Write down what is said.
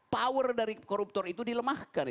power dari koruptor itu dilemahkan